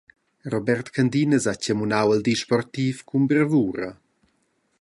Robert Candinas ha tgamunau il di sportiv cun bravura.